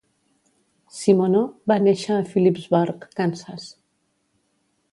Simoneau va néixer a Phillipsburg, Kansas.